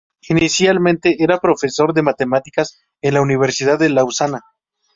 Inicialmente, era profesor de matemáticas en la Universidad de Lausana.